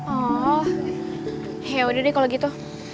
oh ya udah deh kalau gitu